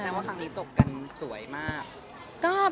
เพราะสุดท้ายผมต้องรู้ว่างานยังไม่น่าจะทำเหรอครับ